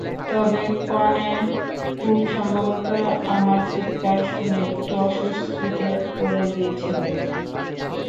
তবে কনে খুব সম্ভবত আমার চিৎকার শুনে একটু অস্বস্তিতে পড়ে গিয়েছিল।